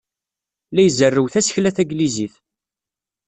La izerrew tasekla tanglizit.